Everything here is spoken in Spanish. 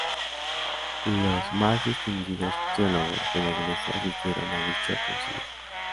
Los más distinguidos teólogos de la Iglesia asistieron a dicho Concilio.